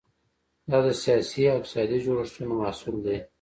دا د سیاسي او اقتصادي جوړښتونو محصول دی.